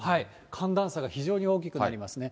寒暖差が非常に大きくなりますね。